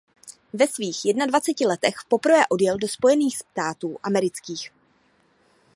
Ve svých jednadvaceti letech poprvé odjel do Spojených států amerických.